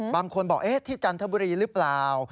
บางคนบอกที่จันทบุรีหรือเปล่า